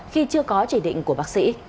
khi chưa có chỉ định của bác sĩ